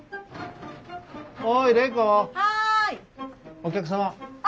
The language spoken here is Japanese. お客様。